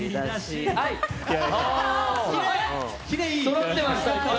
そろってました！